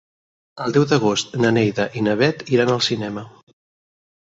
El deu d'agost na Neida i na Bet iran al cinema.